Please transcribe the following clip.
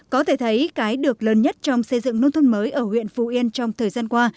có thể thấy cái được lớn nhất trong xây dựng nông thôn mới ở huyện phú yên trong thời gian qua